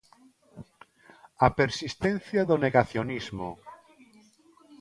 A persistencia do negacionismo.